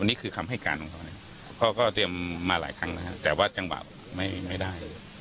นี่คือคำให้การของเขาเนี่ยเขาก็เตรียมมาหลายครั้งนะครับแต่ว่าจังหวะไม่ได้